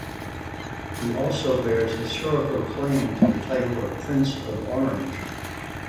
He also bears a historical claim to the title of Prince of Orange.